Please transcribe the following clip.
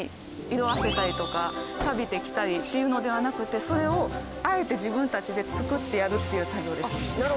色あせたりとかさびてきたりっていうのではなくてそれをあえて自分たちで作ってやるっていう作業ですね。